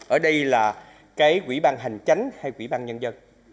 ở đây là cái quỹ ban hành chánh hay quỹ ban nhân dân